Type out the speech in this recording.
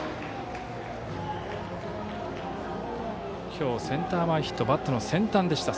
今日センター前ヒットバットの先端でした。